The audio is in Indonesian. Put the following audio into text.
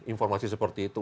informasi seperti itu